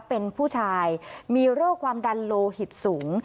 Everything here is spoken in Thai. เป็นผู้ชายมีโรคความดันโลหิตสูง